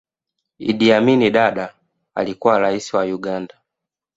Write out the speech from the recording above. idd amin dada alikuwa raisi wa uganda